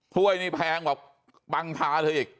ถ้วยนี่พ้งปังพาเถอะอีก